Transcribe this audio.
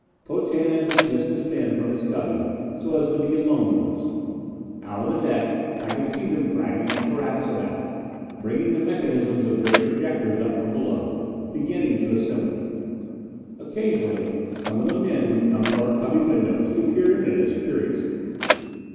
Potan had dismissed his men from his cubby so as to be alone with us. Out on the deck I could see them dragging apparatus about bringing the mechanisms of giant projectors up from below, beginning to assemble them. Occasionally some of the men would come to our cubby windows to peer in at us curiously.